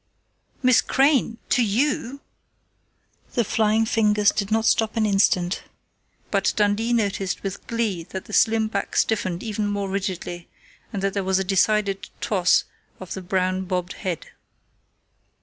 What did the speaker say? "Miss Crain to you!" The flying fingers did not stop an instant, but Dundee noticed with glee that the slim back stiffened even more rigidly and that there was a decided toss of the brown bobbed head.